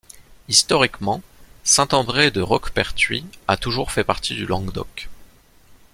Historiquement, Saint-André-de-Roquepertuis a toujours fait partie du Languedoc.